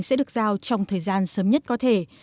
sẽ được giao trong thời gian sớm nhất có thể